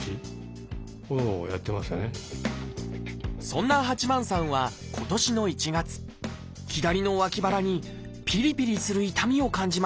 そんな八幡さんは今年の１月左の脇腹にピリピリする痛みを感じました